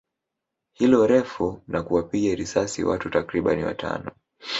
hilo refu na kuwapiga risasi watu takribani watano